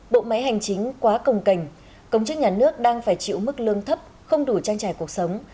bộ máy hành chính quá cồng cành công chức nhà nước đang phải chịu mức lương thấp không đủ trang trải cuộc sống